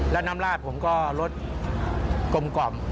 และน้ำลาดผมก็ลดกลม